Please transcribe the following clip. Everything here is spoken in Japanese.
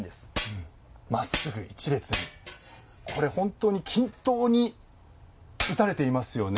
これ本当に均等に打たれていますよね。